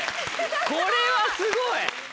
これはすごい！